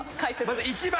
まず１番。